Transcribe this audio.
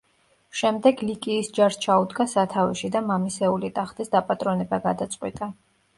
შემდეგ ლიკიის ჯარს ჩაუდგა სათავეში და მამისეული ტახტის დაპატრონება გადაწყვიტა.